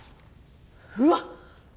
うわっ！